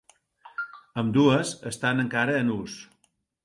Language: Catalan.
Ambdues estan encara en ús.